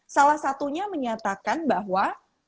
salah satunya menyatakan bahwa